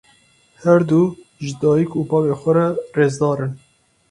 Her du ji dayîk û bavê xwe re rêzdar in.